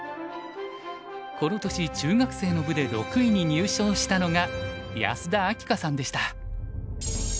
この年中学生の部で６位に入賞したのが安田明夏さんでした。